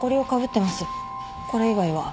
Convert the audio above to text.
これ以外は。